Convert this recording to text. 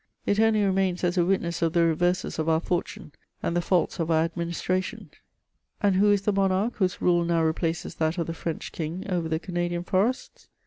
It only remains as a witness of the reverses of our fortune and the faults of our administra tion. And who is the monarch whose rule now replaces that of the French King over the Canadian forests